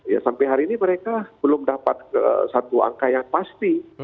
ya sampai hari ini mereka belum dapat satu angka yang pasti